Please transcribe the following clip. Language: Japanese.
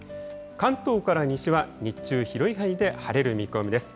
関東から西は日中、広い範囲で晴れる見込みです。